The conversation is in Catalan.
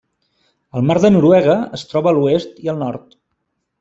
El mar de Noruega es troba a l'oest i al nord.